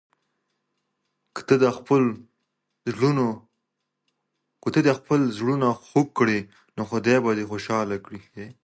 که ته د خلکو زړونه خوږ کړې نو خدای به دې خوشاله کړي.